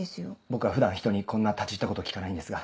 僕は普段ひとにこんな立ち入ったこと聞かないんですが。